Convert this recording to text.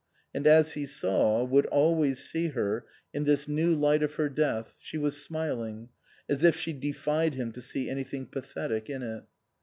And as he saw would always see her, in this new light of her death, she was smiling, as if she defied him to see anything pathetic in it.